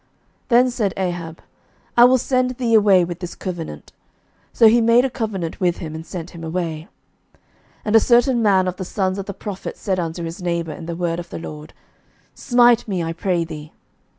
Then said Ahab, I will send thee away with this covenant. So he made a covenant with him, and sent him away. 11:020:035 And a certain man of the sons of the prophets said unto his neighbour in the word of the LORD, Smite me, I pray thee.